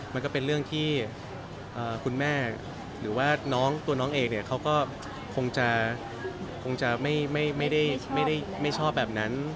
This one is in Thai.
มันก็เป็นเรื่องที่คุณแม่หรือว่าตัวน้องเอกเขาก็คงจะไม่ชอบแบบนั้น